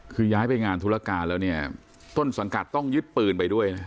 คือย้ายไปงานธุรกาต้นสัญกัตรต้องยึดปืนไปด้วย